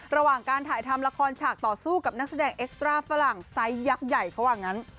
ระหว่างการถ่ายทำละครฉากต่อสู้กับนักแสดงเอ็กซ่าฝรั่งไซส์ยักษ์ใหญ่เขาว่างั้น